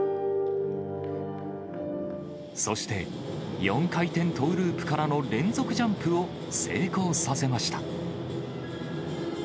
そして、４回転トーループからの連続ジャンプを成功させました。